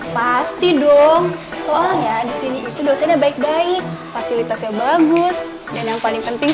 pasti dong soalnya disini itu dosennya baik baik fasilitasnya bagus dan yang paling penting